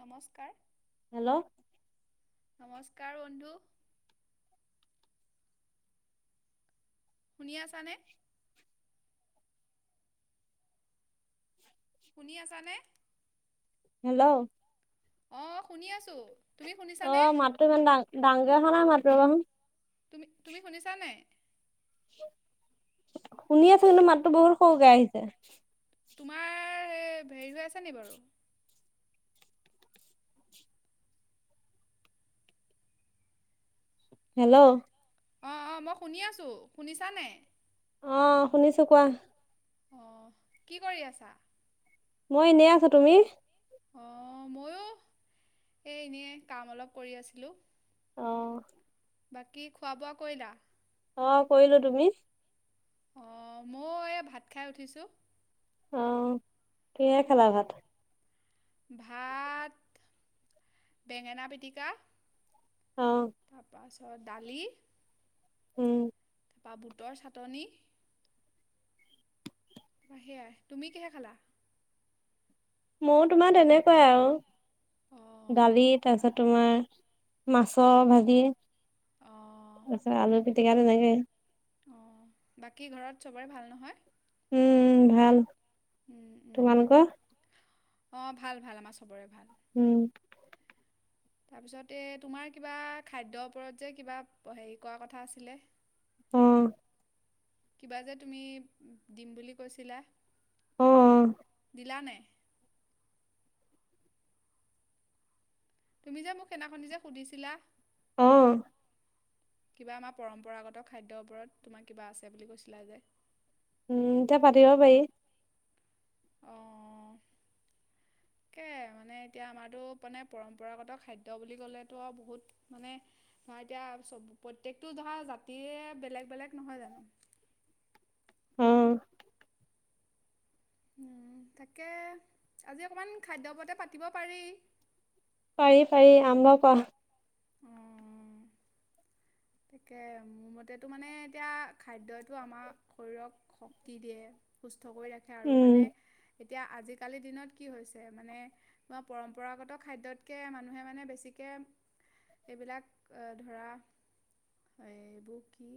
নমস্কাৰ হেল্ল' নমস্কাৰ বন্ধু শুনি আছানে? শুনি আছানে? হেল্ল' অ শুনি আছো। অ মাততো ইমান ডাঙৰ। ডাঙৰকে অহা নাই মাততো তুমি তুমি শুনিছা নাই? শুনি আছো, কিন্তু মাততো বহুত সৰুকে আহিছে। তোমাৰ হেৰি হৈ আছে নি বাৰু? হেল্ল' অ, অ মই শুনি আছো, শুনিছা নাই? অ শুনিছো কোৱা অহ কি কৰি আছা? মই এনেই আছো তুমি অ মইয়ো এ এনেই কাম অলপ কৰি আছিলো। অহ বাকী খোৱা বোৱা কৰিলা? অ কৰিলো তুমি অ মই এই, ভাত খাই উঠিছো। অহ, কিহে খালা ভাত? ভাত, বেঙেনা পিটিকা অ তাৰপাছত দালি উম তাৰপৰা বুটৰ চাটনি, সেয়াই, তুমি কিহে খালা? মইয়ো তোমাৰ তেনেকোৱাই আৰু দালি অ', তাৰপিছত তোমাৰ মাছৰ ভাজি, অ', তাৰপাছত আলু পিটিকা। পিতিকা তেনেকে বাকী ঘৰত চবৰে ভাল নহয় উম উম ভাল উম উম তোমালোকৰ অ ভাল ভাল আমাৰ চবৰে ভাল উম তাৰপিছতে এ তোমাৰ কিবা খাদ্যৰ ওপৰত যে কিবা হেৰি কৰা কথা আছিলে উম কিবা যে তুমি দিম বুলি কৈছিলা অ অ দিলা নাই তুমি যে মোক সেইনাখনি যে সুধিছিলা অহ কিবা আমাৰ পৰম্পৰাগত খাদ্যৰ ওপৰত তোমাৰ কিবা আছে বুলি কৈছিলা যে উম এতিয়া পাতিব পাৰি অ তাকে মানে এতিয়া আমাৰতো মানে পৰম্পৰাগত খাদ্য বুলি কলেতো বহুত মানে ধৰা এতিয়া প্ৰত্যেকটো ধৰা জাতিয়ে বেলেগ বেলেগ নহয় জানো উম উম তাকে আজি অকণমান খাদ্য উপৰতে পাতিব পাৰি পাৰি পাৰি আৰম্ভ কৰা উম তাকে মোৰ মতেতো মানে এতিয়া খাদ্যই টো আমাৰ শৰীৰক শক্তি দিয়ে সুস্থ কৰি ৰাখে আৰু উম মানে এতিয়া আজিকালিৰ দিনত কি হৈছে মানে ম পৰম্পৰাগত খাদ্যতকৈ মানুহে মানে বেছিকৈ এইবিলাক ধৰা এ এইবোৰ কি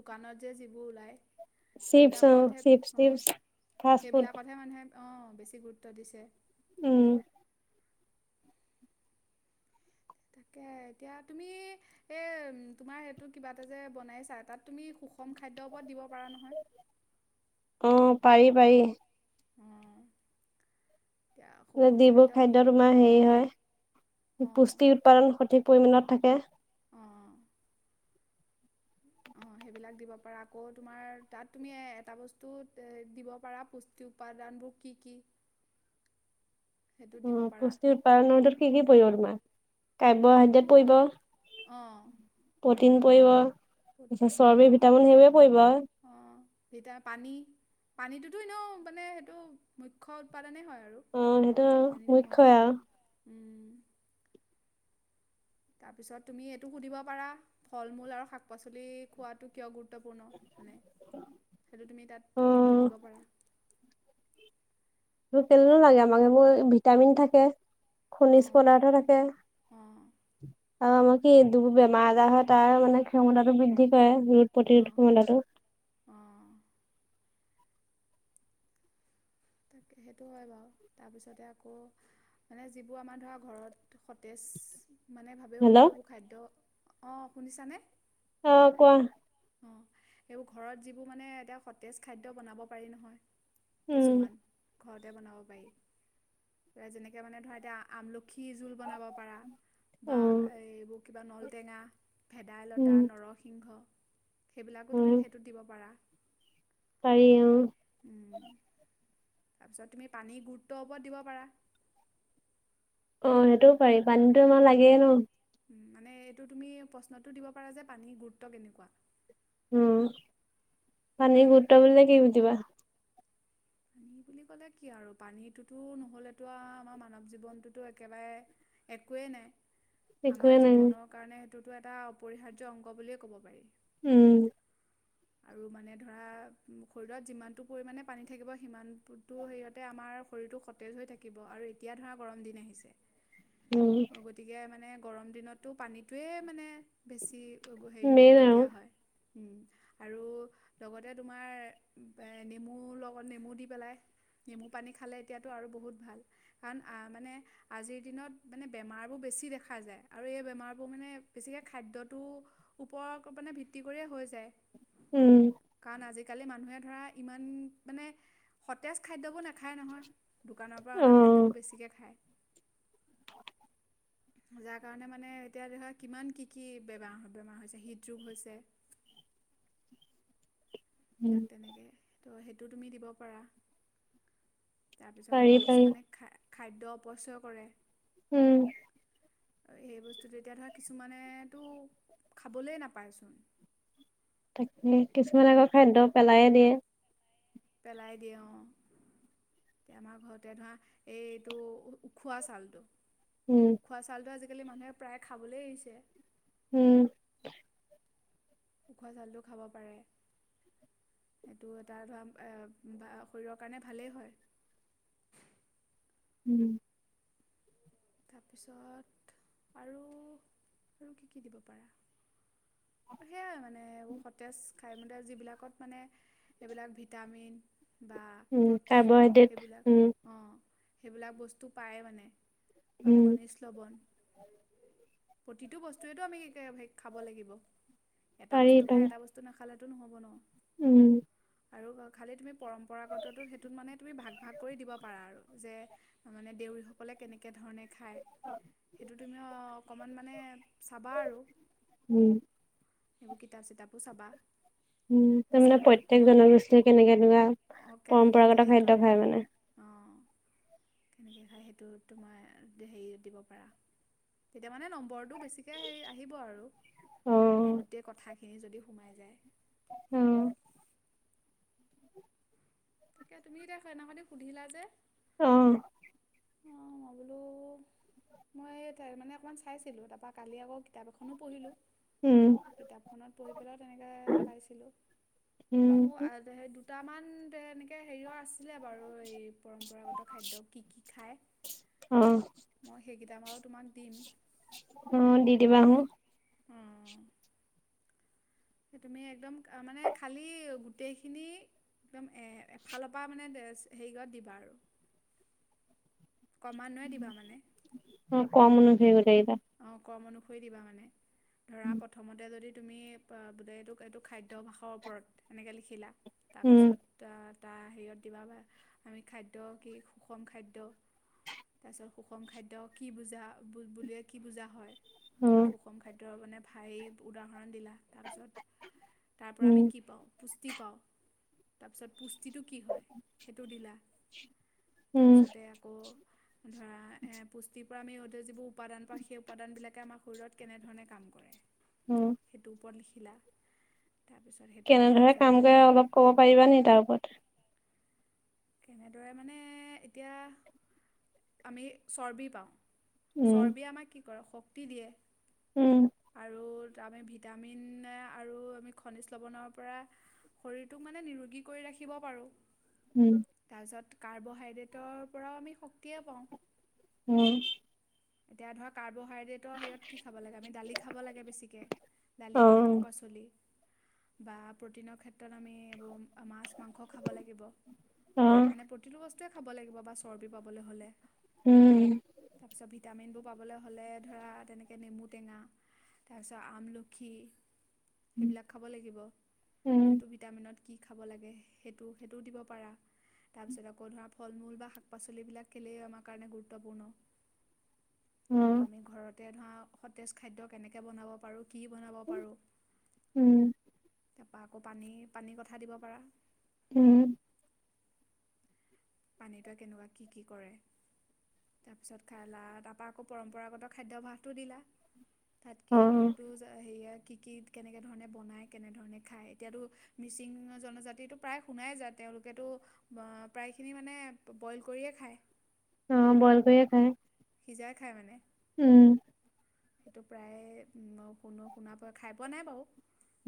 দোকানত যে যিবোৰ ওলাই চিপছ অ চিপ টিপছ ফাষ্ট ফুড অ বেছি গুৰুত্ব দিছে উম তাকে এতিয়া তুমি এ তোমাৰ সেইটো কিবা এটা যে বনাইছা তাত তুমি সুখ কম খাদ্যৰ ওপৰত দিব পৰা নহয় অ', পাৰি পাৰি অঁ এতিয়া সুষম যিবোৰ বুলি খাদ্য তোমাৰ হেৰি হয় অঁ পুষ্টি উৎপাদন সঠিক পৰিমাণত থাকে অ সেইবিলাক দিব পাৰা আকৌ তোমাৰ তাত তুমি এটা বস্তুত দিব পাৰা পুষ্টি উপাদানবোৰ কি কি সেইটো উ দিব পাৰা পুষ্টি উৎপাদনটো কি কি পৰিব তোমাৰ কাৰ্বহাইড্ৰেট সেইটোত পৰিব অঁ প্ৰ'টিন পৰিব তাৰপিছত প্ৰটিন চৰ্বি ভিটামিন সেইবোৰে পৰিব আৰু। অঁ অঁ ভিটা পানী পানীটোতো এনেও মানে সেইটো মুখ্য উৎপাদনে হয় আৰু অ সেইটো পানী মূখ্য নোহোৱাকেতো আও নহয় উম, তাৰ পিছত তুমি এইটো সুধিব পাৰা ফল মূল আৰু শাক পাচলি খোৱাতো কিয় গুৰুত্ব গুৰুত্বপূৰ্ণ মানে সেইটো তুমি অ'। তাত দিব পাৰা কেনো লাগে আমাক সেইবোৰ ভিট ভিটামিন থাকে। খনিজ অঁ পদাৰ্থ থাকে। অঁ আৰু আমাৰ কি দু বেমাৰ আজাৰ হয় তাৰ মানে ক্ষমতাটো বৃদ্ধি কৰে প্ৰতিৰোধ অঁ স্যমতাটো। অঁ তাকে সেইটো হয় বাৰু তাৰপিছতে আকৌ মানে যিবোৰ আমাৰ ধৰা ঘৰত সতেজ মানে হেল্ল' ভাবেওতো এইবোৰ খাদ্য অ শুনিছানে অ কোৱা। অ এইবোৰ ঘৰত যিবোৰ মানে এটা সতেজ খাদ্য বনাব পাৰি নহয়। উম। কিছুমান ঘৰতে বনাব পাৰি এ যেনেকে মানে ধৰা এতিয়া আমলখি খি জোল বনাব পৰা অ বা এইবোৰ কিবা নলটেঙা ভেদাইলতা উম নৰসিংহ সেইবিলাকো তুমি সেইটোত দিব পাৰা। পাৰিওঁ উম, তাৰপিছত তুমি পানী গুৰুত্বৰ ওপৰত দিব পাৰা। অ সেইটোও পাৰি পানীতো আমাক লাগেই ন। মানে এইটো তুমি প্ৰশ্নটো দিব পাৰা যে পানীৰ গুৰুত্ব কেনেকুৱা? উম পানীৰ গুৰুত্ত্ব বুলিলে কি বুজিবা? পানী বুলি ক'লে কি আৰু পানীটোতো নহ'লেতো আমাৰ মানৱ জীৱনটোতো একেবাৰে একোৱেই নাই। একোৱে আমাৰ নাই জীৱনৰ কাৰণে টোতটো এটা অপৰিহাৰ্য অংগ বুলিয়ে ক'ব পাৰি। উম আৰু মানে ধৰা শৰীৰত যিমানটো পৰিমাণে পানী থাকিব সিমানটো সেৰিয়তে আমাৰ শৰীৰটো সতেজ হৈ থাকিব আৰু এতিয়া ধৰা গৰম দিন আহিছে। উম অ গতিকে মানে গৰম দিনতো পানীটোৱেই মানে বেছি হেৰি মেইন গুৰুত্ব আৰু দিয়া হয়। উম আৰু লগতে তোমাৰ নেমু লগ অকণ নেমু দি পেলাই নেমু পানী খালে এতিয়াতো আৰু বহুত ভাল কাৰণ মানে আজিৰ দিনত মানে বেমাৰবোৰ বেছি দেখা যায় আৰু এই বেমাৰবোৰ মানে বেছিকৈ খাদ্যটো ওপৰত মানে ভিত্তি কৰিয় হৈ যায়। উম কাৰণ আজিকালি মানুহে ধৰা ইমান মানে সতেজ খাদ্যবোৰ নাখায় নহয়। দোকানৰ পৰা অ অনা খাদ্যবোৰ বেছিকে খায়। যাৰ কাৰণে মানে এতিয়া ধৰা কিমান কি কি বেমাৰ বেমাৰ হৈছে হৃদৰোগ হৈছে। উম বিলাক তেনেকে ত' সেইটো তুমি দিব পাৰা। তাৰপিছত পাৰি আকৌ পাৰি কিছুমানে খা খাদ্য অপচয় কৰে। উম সেই বস্তুটো এতিয়া ধৰা কিছুমানেতো খাবলৈ নাপায়চোন। তাকে কিছুমান আকৌ খাদ্য পেলাইয়ে দিয়ে। পেলাই দিয়ে উম, এতিয়া আমাৰ ঘৰতে ধৰা এইটো উখোৱা ছালটো উম উখোৱা চালটো আজি আজিকালি মানুহে প্ৰায় খাবলৈ এৰিছে। উম উখোৱা চাউলটো খাব পাৰে সেইটো এটা ধৰা শৰীৰৰ কাৰণে ভালেই হয়। উম তাৰপিছত আৰু আৰু কি কি দিব পাৰা। সেইয়াই মানে এইবোৰ সতেজ খাইমতে যিবিলাকত মানে এইবিলাক ভিটামিন বা উম প্ৰটিন কাৰ্বহাইড্ৰেট উম সেইবিলাক অঁ সেইবিলাক বস্তু পায় মানে বা উম খনিজলৱন প্ৰতিটো বস্তুৱেটো আমি খাব লাগিব এটা পাৰি বস্তু খাই পাৰি এটা বস্তু নাখালে। টো নহ'ব ন উম আৰু খালি তুমি পৰম্পৰাগতটোত সেইটোত মানে তুমি ভাগ ভাগ কৰি দিব পাৰা আৰু যে মানে দেউৰীসকলে কেনেকৈ ধৰণে খায় সেইটো তুমি অকণমান মানে চাবা আৰু উম এইবোৰ কিতাপ চিতাপো চাবা উম বা তাৰ মানে ছাৰ বাইদেউক প্ৰত্যক সুধি জনগোষ্ঠীয়ে কেনেকে এনেকুৱা অঁ কেনেকৈ পৰম্পৰাগত হেৰি খাদ্য কৰে খায় মানে। অঁ কেনেকৈ সেইটো তোমাৰ হেৰি দিব পাৰা তেতিয়া মানে নম্বৰ টো বেছিকে হেৰি আহিব আৰু অ তেন্তে কথাখিনি খিনি যদি সোমাই যায় উম তাকে তুমি এতিয়া স এনেকদি সুধিলা যে। আহ অ মই বোলো মই মানে অকমান চাইছিলো তাৰপা কালি আকৌ কিতাপ এখনো পঢ়িলো। উম কিতাপখনত পঢ়ি পেলাইও তেনেকে পাইছিলো ত উম মোৰ আহ দু তামান ব নে তে হেৰিও আছে বাৰু এই পৰম্পৰাগত খাদ্য কি কি খায় অ মই সেইকেইটা মই তোমাক দিম। অ দি দিবা হু সেই তুমি একদম মানে খালী গোটেইখিনি একদম এফালৰ পৰা মানে হেৰিত দিবা আৰু ক্ৰমান্বয়ে দিবা অ কমন হয় অ কমন থৈ দিবা মানে? ধৰা প্ৰথমতে যদি তুমি বো এইটোক এইটো খাদ্য ভাষাৰ ওপৰত এনেকে লিখিলা উম তাৰপিছত তাৰ হেৰিঅত দিবা আমি খাদ্য কি সুষম খাদ্য তাৰপিছত সুষম খাদ্য কি বুজা বুলিয়ে। কি বুজা হয় অ আৰু সুষম খাদ্য মানে ভাই উদাহৰণ দিলা। তাৰপিছত তাৰ পৰা উম আমি কি পাওঁ? পুষ্টি পাওঁ তাৰপিছত পুষ্টি তিটো কি হয় সেইটো দিলা উম তাৰপিছতে আকৌ ধৰা এ পুষ্টি পৰা আমি যিবোৰ উৰ্পাদান সেই উপাদান বিলাকে আমাৰ শৰীৰত কেনেধৰণে কাম কৰে অ সেইটো ওপৰত লিখি লিখিলা তাৰপিছত সেইটো লিখাৰ কেনেদৰে পিছত কাম আমি কৰে অলপ ক'ব পাৰিবা নিে তাৰ ওপৰত? কেনেদৰে মানে এতিয়া আমি চৰ্বি পাওঁ। উম চৰ্বি আমাক কি ধৰা শক্তি দিয়ে। উম আৰু আমি ভিটামিন আৰু আমি খনিজ লৱণৰ পৰা শৰীৰটোক মানে নিৰোগী কৰি ৰাখিব পাৰোঁ। উম তাৰপিছত কাৰ্বহাইড্ৰেটৰ পৰাও আমি শক্তিয়ে পাওঁ উম এতিয়া ধৰক কাৰব ফ্ৰাইডেটৰ হেৰিয়ত কি খাব লাগে আমি দালি খাব লাগে বেছিকে দালি অ বা শাক পাচলি বা প্ৰটিনৰ ক্ষেত্ৰত আমি এইবোৰ মাছ মাংস খাব লাগিব অ মানে প্ৰতিটো বস্তু খাব লাগিব বা চৰ্বি পাবলৈ হ'লে উম তাৰপিছত ভিটামিনবোৰ পাবলৈ হ'লে ধৰা তেনেকৈ নেমু টেঙা তাৰপিছত আমলখি সেইবিলাক খাব লাগিব উম কোনটো ভিটামিনত কি খাব লাগে সেইটো সেইটোও দিব পাৰা তাৰপিছত আকৌ ধৰা ফল মূল বা শাক পাচলিবিলাক কেলে আমাৰ কাৰণে গুৰুত্বপূৰ্ণ? অ আমি ঘৰত ধৰা সতেজ খাদ্য কেনেকৈ বনাব পাৰোঁ কি বনাব পাৰো উম তাৰপা আকৌ পানী পানী কথা দিব পাৰা উম পানীটোৱে কেনেকুৱা কি কি কৰে তাৰপিছত খালা তাৰপৰা আকৌ পৰম্পৰাগত খাদ্যভাসটো দিলা তাত কি অ কোনটো হেৰিয়াত কি কি কেনেকে ধৰণে বনাই কেনেধৰণে খায় এতিয়াতো মিচিং জনজাতিটো প্ৰায় শুনাই যায় তেওঁলোকেতো প্ৰায় খিনি মানে বইল কৰিয়ে খায় অ বয়ল‌ কৰিয়ে খাই সিজাই খায় মানে উম সেইটো প্ৰায় শুনো শুনা প খাই পোৱা নাই বাৰু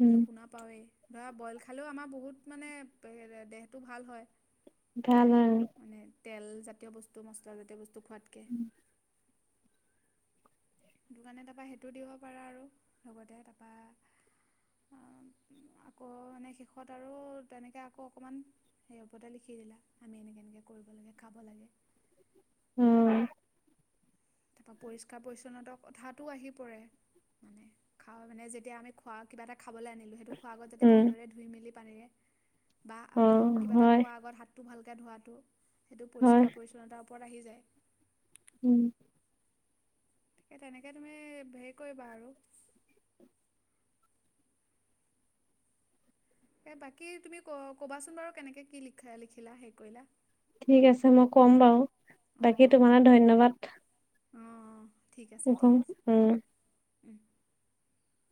উম শুনা পাৱেই ধৰা বইল খালেও আমাৰ বহুত মানে দেহটো ভাল হয় ভাল তেল জাতীয় বস্তু মছলা জাতীয় বস্তু টোখোৱাতকে দ কাৰণে তাৰপৰা সেইটো দিব পাৰা আৰু লগতে তাৰপা আকৌ মানে শেষত আৰু তেনেকৈ আকৌ অকণমান সেই উপতে লিখি দিলা আমি এনেকৈ এনেকৈ কৰিব লাগে খাব লাগে উম তাপা পৰিষ্কাৰ পৰিচ্ছন্নতাৰ কথাটো আহি পৰে মানে খাওঁ মানে যেতিয়া আমি খোৱা কিবা এটা খাবলৈ আনিলোঁ সেইটো খোৱা আগত যাতে উম ভালদৰে ধুই মেলি পাৰে বা অ কিবা এটা হয় খোৱাৰ আগত হাতটো ভাল তে ধোৱাটো সেইটো হয় পৰিষ্কাৰ পৰিচ্ছন্নতা ওপৰত আহি যায় উম তেনেকে তুমি হেৰি কৰিবা আৰু এ বাকী তুমি ক'বাচোন বাৰু কেনেকে কি লিখিলা হে কৰিলা? ঠিক আছে মই কম বাৰু বাকী তোমালে ধন্যবাদ। অ ঠিক আছে ঠিক আছে উম হ'ব। [inaudible]